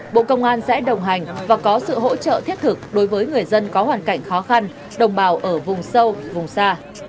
bộ công an sẽ đồng hành và có sự hỗ trợ thiết thực đối với người dân có hoàn cảnh khó khăn đồng bào ở vùng sâu vùng xa